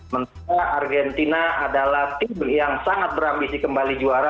menurutnya argentina adalah tim yang sangat berambisi kembali juara